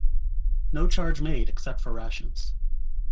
No charge made, except for rations.